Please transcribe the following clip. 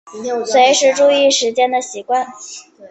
随时注意时间的习惯